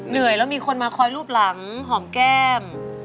เหนื่อยแล้วมีคนมาคอยรูปหลังหอมแก้ม